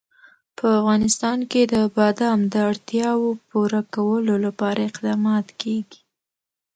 په افغانستان کې د بادام د اړتیاوو پوره کولو لپاره اقدامات کېږي.